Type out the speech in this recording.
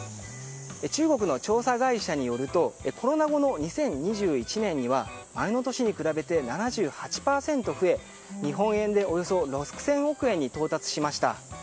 中国の調査会社によるとコロナ後の２０２１年には前の年に比べて７８％増え日本円でおよそ６０００億円に到達しました。